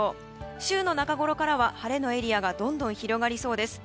週の中ごろからは晴れのエリアがどんどん広がりそうです。